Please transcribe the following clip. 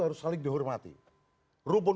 harus saling dihormati rumpun